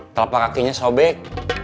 telapak kakinya sobek